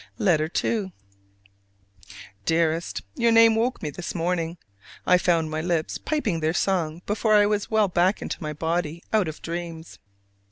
LETTER II. Dearest: Your name woke me this morning: I found my lips piping their song before I was well back into my body out of dreams.